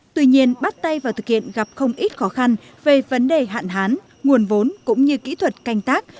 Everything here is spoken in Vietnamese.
tuy nhiên bắt tay vào thực hiện gặp không ít khó khăn về vấn đề hạn hán nguồn vốn cũng như kỹ thuật canh tác